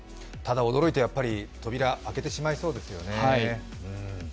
ただ驚いて、やっぱり扉開けてしまいそうですよね。